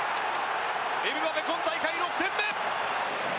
エムバペ、今大会６点目！